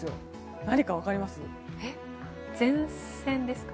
何か分かりますか？